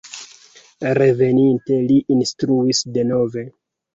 Reveninte li instruis denove.